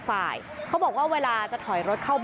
เขารู้กันทั่วแก่งคอยนะครับ